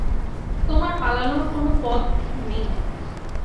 তোমার পালানোর কোন পথ নেই।